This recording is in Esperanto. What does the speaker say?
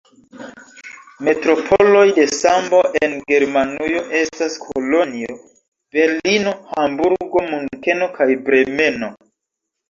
Metropoloj de sambo en Germanujo estas Kolonjo, Berlino, Hamburgo, Munkeno kaj Bremeno.